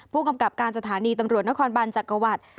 ผู้กำกับการสถานีตำรวจนครบันจักรวรรดิ